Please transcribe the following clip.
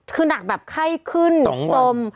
คือนักแบบไข้ขึ้นสมสองวัน